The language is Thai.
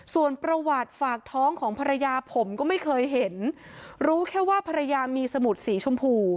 ส่วนประวัติฝากท้องของภรรยาผมก็ไม่เคยเห็นรู้แค่ว่าภรรยามีสมุดสีชมพู